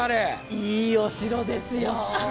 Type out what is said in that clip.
いいお城ですよ。